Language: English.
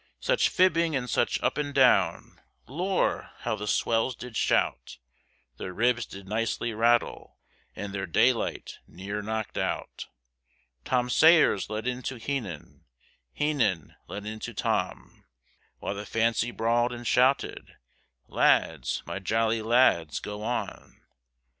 Such fibbing and such up and down Lor, how the swells did shout, Their ribs did nicely rattle, And their daylight near knocked out, Tom Sayers let into Heenan, Heenan let into Tom, While the Fancy bawled and shouted, Lads, my jolly lads, go on.